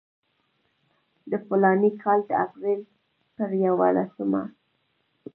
د فلاني کال د اپریل پر یوولسمه.